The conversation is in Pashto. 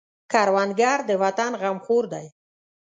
کروندګر د وطن غمخور دی